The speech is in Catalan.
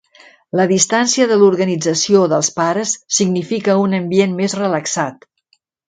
La distància de l'organització dels pares significa un ambient més relaxat.